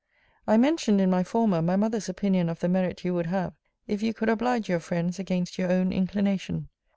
I mentioned in my former my mother's opinion of the merit you would have, if you could oblige your friends against your own inclination.